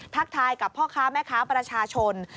ทักทายกับพ่อค้าแม่ค้าประชาชน